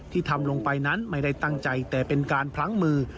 ทำลงไปนั้นไม่ได้ตั้งใจแต่เป็นการพลั้งมือ